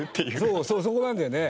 そうそうそこなんだよね。